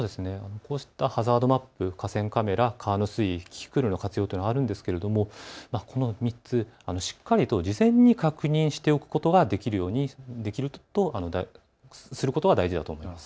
こうしたハザードマップ、河川カメラ・川の水位、キキクルの活用というのがあるんですがこの３つ、しっかりと事前に確認しておくことが大事だと思います。